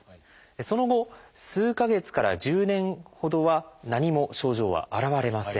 その後数か月から１０年ほどは何も症状は現れません。